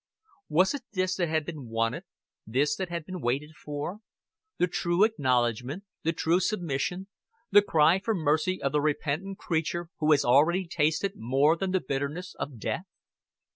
Was it this that had been wanted, this that had been waited for the true acknowledgment, the true submission, the cry for mercy of the repentant creature who has already tasted more than the bitterness of death?